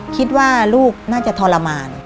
คิดว่าลูกน่าจะทรมาน